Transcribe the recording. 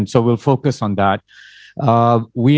kami akan fokus pada itu